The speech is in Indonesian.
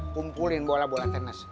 tumpulin bola bola tenis